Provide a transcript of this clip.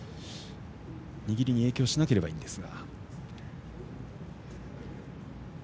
握りに影響しなければいいんですが。